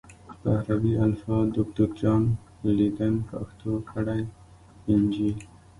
په عربي الفبا د دوکتور جان لیدن پښتو کړی انجیل